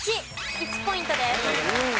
１ポイントです。